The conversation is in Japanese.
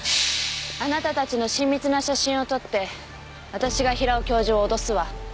あなたたちの親密な写真を撮って私が平尾教授を脅すわ。